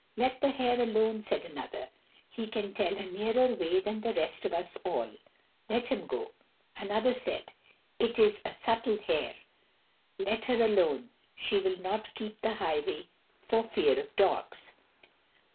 "Let the hare alone," said another; "he can tell a nearer way than the best of us all. Let him go." Another said, "It is a subtle hare, let her alone; she will not keep the highway for fear of dogs."